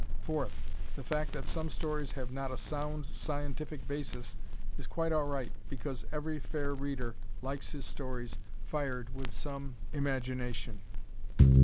Fourth, the fact that some stories have not a sound scientific basis is quite all right because every fair reader likes his stories fired with some imagination.